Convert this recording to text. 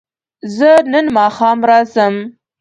زه نن ماښام راځم